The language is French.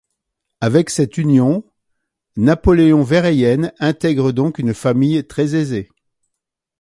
Avec cette union, Napoléon Verheyen intègre donc une famille très aisée.